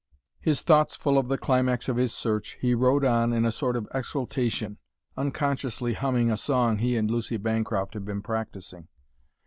His thoughts full of the climax of his search, he rode on in a sort of exaltation, unconsciously humming a song he and Lucy Bancroft had been practising.